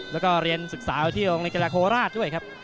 แล้วก็เรียนศึกษาอยู่ที่โรงเรียนกีฬาโคราชด้วยครับ